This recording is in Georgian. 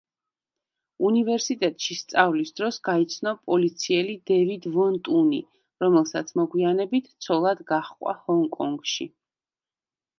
უნივერსიტეტში სწავლის დროს გაიცნო პოლიციელი დევიდ ვონ ტუნი, რომელსაც მოგვიანებით ცოლად გაჰყვა ჰონკონგში.